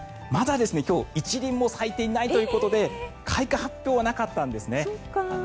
まだ１輪も咲いていないということで開花発表はなかったんですね。